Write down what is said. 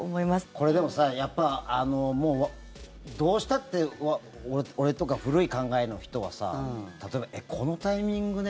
これでも、どうしたって俺とか古い考えの人はさ例えばえっ、このタイミングで？